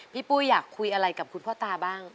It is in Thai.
ปุ้ยอยากคุยอะไรกับคุณพ่อตาบ้าง